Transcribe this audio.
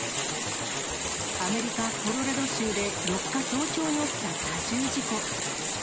アメリカ・コロラド州で４日早朝に起きた多重事故。